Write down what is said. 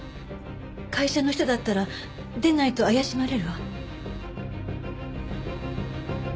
会社の人だったら出ないと怪しまれるわ。